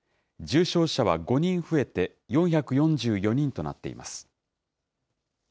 重症者は５人増えて４４４人となっています。